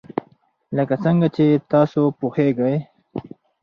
لکه څنګه چې تاسو پوهیږئ.